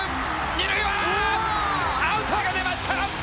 二塁はアウトが出ました！